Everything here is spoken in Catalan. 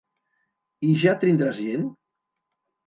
I ja tindràs gent?